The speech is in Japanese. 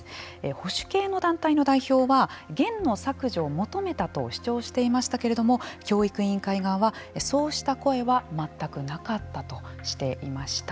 保守系の団体の代表はゲンの削除を求めたと主張していましたけれども教育委員会側はそうした声は全くなかったとしていました。